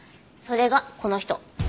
それがこの人。